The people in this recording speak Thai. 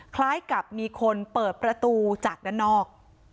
คล้ายกับมีคนเปิดประตูจากด้านนอก